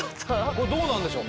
これどうなんでしょう？